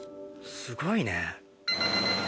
すごいね。